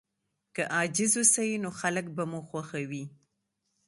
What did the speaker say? که عاجز اوسئ نو خلګ به مو خوښوي.